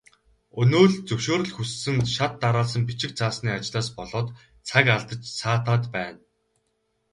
Өнөө л зөвшөөрөл хүссэн шат дараалсан бичиг цаасны ажлаас болоод цаг алдаж саатаад байна.